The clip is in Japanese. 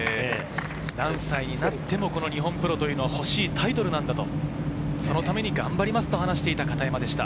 何歳になっても日本プロというのは欲しいタイトルなんだと、そのために頑張りますと話していました。